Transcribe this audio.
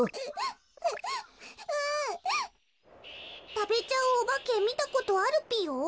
たべちゃうおばけみたことあるぴよ？